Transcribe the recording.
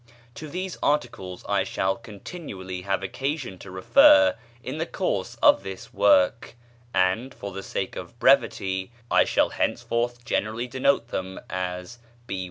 To these articles I shall continually have occasion to refer in the course of this work, and, for the sake of brevity, I shall henceforth generally denote them as "B.